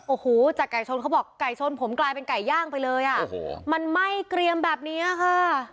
โอ้โหจากไก่ชนเขาบอกไก่ชนผมกลายเป็นไก่ย่างไปเลยอ่ะโอ้โหมันไหม้เกรียมแบบเนี้ยค่ะ